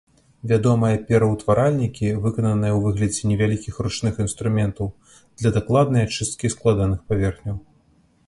Вядомыя пераўтваральнікі, выкананыя ў выглядзе невялікіх ручных інструментаў для дакладнай ачысткі складаных паверхняў.